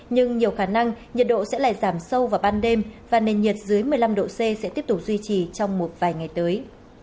nhưng nhiều khả năng nhiệt độ sẽ lại giảm sâu vào ban đêm và nền nhiệt dưới một mươi năm độ c sẽ tiếp tục duy trì trong một vài ngày tới